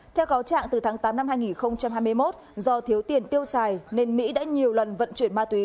theo cáo trạng từ tháng tám năm hai nghìn hai mươi một do thiếu tiền tiêu xài nên mỹ đã nhiều lần vận chuyển ma túy